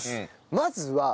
まずは。